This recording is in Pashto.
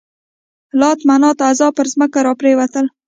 لات، منات، عزا پر ځمکه را پرېوتل.